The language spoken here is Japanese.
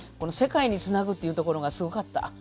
世界につなぐっていうところがすごかった。